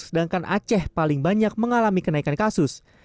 sedangkan aceh paling banyak mengalami kenaikan kasus